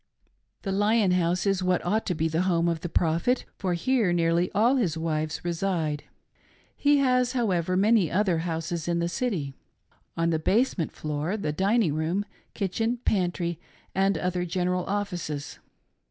The Lion House is what ought to be the home of the Prophet, for here nearly all his wives reside. He has, however, many other houses in the city. On the basement floor, the dining room, kitchen, pantry, and other general offices.